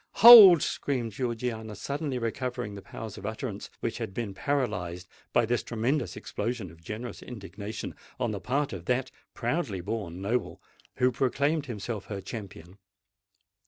hold!" screamed Georgiana, suddenly recovering the powers of utterance which had been paralyzed by this tremendous explosion of generous indignation on the part of that proudly born noble who proclaimed himself her champion.